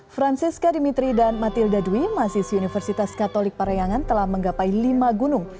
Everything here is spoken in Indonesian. francisca dimitri dan matilda dwi mahasiswi universitas katolik parayangan telah menggapai lima gunung